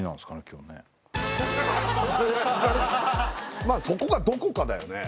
今日ねまぁそこがどこかだよね